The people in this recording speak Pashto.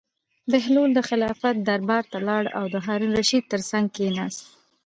بهلول د خلافت دربار ته لاړ او د هارون الرشید تر څنګ کېناست.